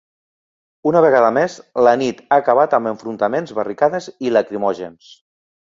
Una vegada més, la nit ha acabat amb enfrontaments, barricades i lacrimògens.